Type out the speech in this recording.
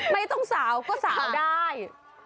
ไม่ต้องสาวก็สาวได้